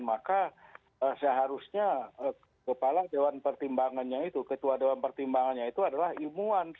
maka seharusnya kepala dewan pertimbangannya itu ketua dewan pertimbangannya itu adalah ilmuwan